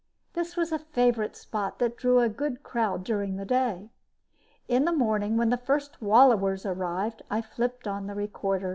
This was a favorite spot that drew a good crowd during the day. In the morning, when the first wallowers arrived, I flipped on the recorder.